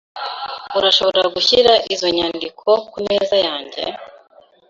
Urashobora gushyira izo nyandiko kumeza yanjye?